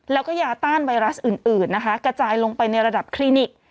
แล้วก็ยาต้านไวรัสอื่นนะคะกระจายลงไปในระดับคลินิก